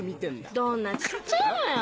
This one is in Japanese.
どんな小っちゃいのよ。